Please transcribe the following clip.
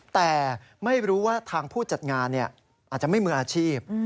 แต่ไม่รู้ว่าทางผู้จัดงานอาจจะไม่มืออาชีพ